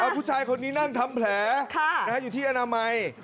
ผู้ชายคนนี้นั่งทำแผลอยู่ที่อนามัย